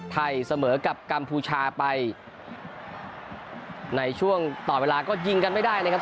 เสมอกับกัมพูชาไปในช่วงต่อเวลาก็ยิงกันไม่ได้นะครับ